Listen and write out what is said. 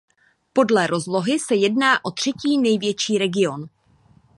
Podle rozlohy se jedná o třetí největší region.